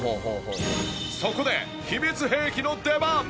そこで秘密兵器の出番！